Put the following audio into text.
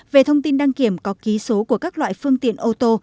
về thông tin đăng kiểm có ký số của các loại phương tiện ô tô